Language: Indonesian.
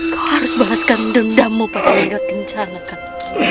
kamu harus bahas dendamu pada ingrat kencana kang